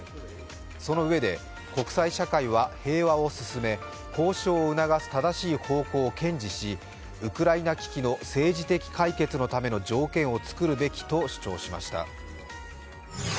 そのうえで、国際社会は平和を進め交渉を促す正しい方向を堅持し、ウクライナ危機の政治的解決のための条件を作るべきと主張しました。